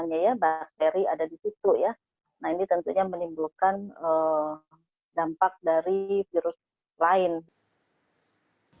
nah ini tentunya menimbulkan dampak dari virus lain